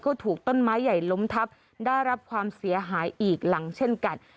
ก็ถูกต้นไม้ใหญ่ล้มทับได้รับความเสียหายอีกหลังเช่นกัน